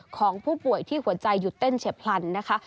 ของผู้ป่วยที่หัวใจหยุดเต้นเฉียบพลันนะคะ